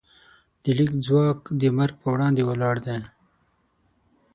د لیک ځواک د مرګ پر وړاندې ولاړ دی.